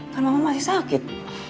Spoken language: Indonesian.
kan mama masih sakit